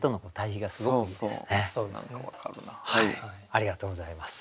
ありがとうございます。